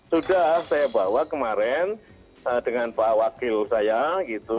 sudah saya bawa kemarin dengan pak wakil saya gitu